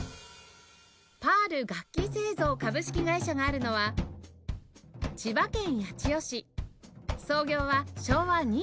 パール楽器製造株式会社があるのは千葉県八千代市